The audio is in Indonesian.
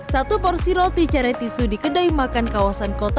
satu porsi roti care tisu di kedai makan kawasan kota